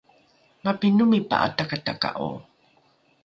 mapinomi pa’atakataka’o?